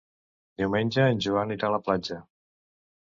Diumenge en Joan irà a la platja.